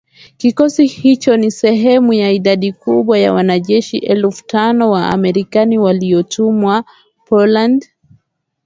Kikosi hicho ni sehemu ya idadi kubwa ya wanajeshi elfu tano wa Marekani waliotumwa Poland